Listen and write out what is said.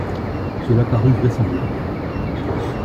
Cela parut vraisemblable.